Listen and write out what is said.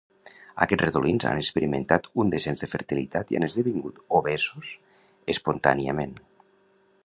Aquests ratolins han experimentat un descens de fertilitat i han esdevingut obesos espontàniament.